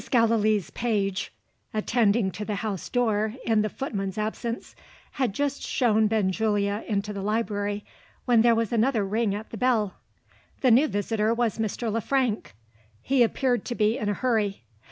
Gallilee's page (attending to the house door, in the footman's absence) had just shown Benjulia into the library, when there was another ring at the bell. The new visitor was Mr. Le Frank. He appeared to be in a hurry.